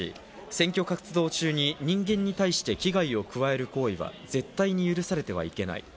選挙活動中に人間に対して危害を加える行為は絶対に許されてはいけない。